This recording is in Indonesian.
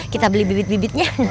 kita beli bibit bibitnya